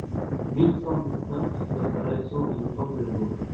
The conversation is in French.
mille cent dix-cinq, dans sa rédaction résultant de la loi.